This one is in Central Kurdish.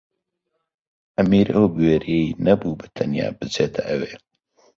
ئەمیر ئەو بوێرییەی نەبوو بەتەنیا بچێتە ئەوێ.